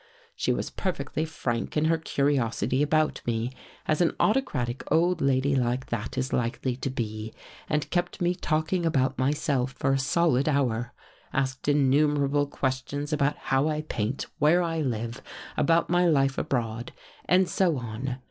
" She was perfectly frank in her curiosity about me, as an autocratic old lady like that is likely to be, and kept me talking about myself for a solid hour; asked innumerable questions about How I paint, where I live, about my life abroad, and so on.